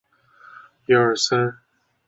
唐贞观八年改龙丘县。